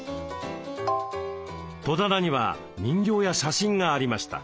戸棚には人形や写真がありました。